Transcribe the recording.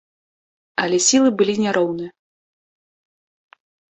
Але сілы былі няроўныя.